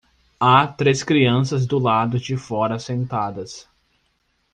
Há três crianças do lado de fora sentadas.